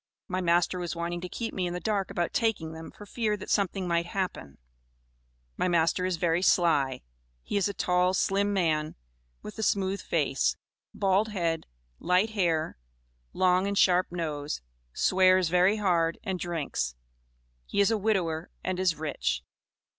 My master was wanting to keep me in the dark about taking them, for fear that something might happen. My master is very sly; he is a tall, slim man, with a smooth face, bald head, light hair, long and sharp nose, swears very hard, and drinks. He is a widower, and is rich."